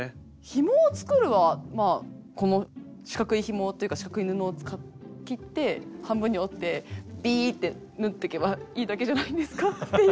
ひもを作るは四角いひもっていうか四角い布を切って半分に折ってビーって縫っていけばいいだけじゃないんですかっていう。